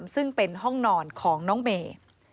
ซึ่งเป็นห้องนอนของน้องเมย์